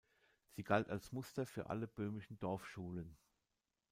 Sie galt als Muster für alle böhmischen Dorfschulen.